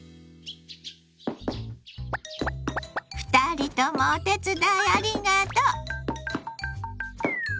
２人ともお手伝いありがとう。